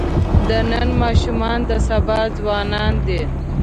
د نن ماشومان د سبا ځوانان دي.